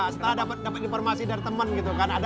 setelah dapat informasi dari teman gitu kan